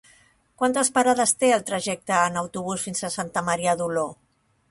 Quantes parades té el trajecte en autobús fins a Santa Maria d'Oló?